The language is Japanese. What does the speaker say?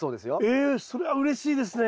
ええそれはうれしいですね！